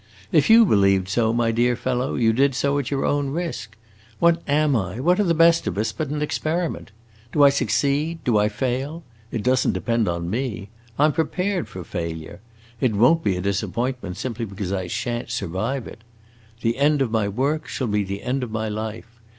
If you believed so, my dear fellow, you did so at your own risk! What am I, what are the best of us, but an experiment? Do I succeed do I fail? It does n't depend on me. I 'm prepared for failure. It won't be a disappointment, simply because I shan't survive it. The end of my work shall be the end of my life.